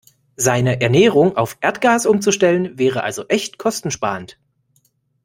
Seine Ernährung auf Erdgas umzustellen, wäre also echt kostensparend.